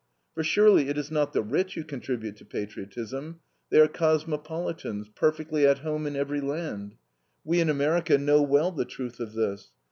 For surely it is not the rich who contribute to patriotism. They are cosmopolitans, perfectly at home in every land. We in America know well the truth of this.